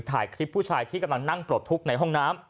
ถ่ายคลิปผู้ชายที่กำลังนั่งปลดทุกข์ในห้องน้ำ